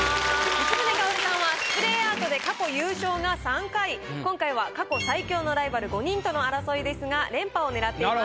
光宗薫さんはスプレーアートで過去優勝が３回今回は過去最強のライバル５人との争いですが連覇を狙っています。